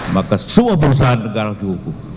maka semua perusahaan negara harus dihukum